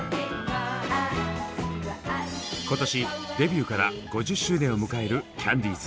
今年デビューから５０周年を迎えるキャンディーズ。